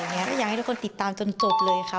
ก็อยากให้ทุกคนติดตามจนจบเลยค่ะ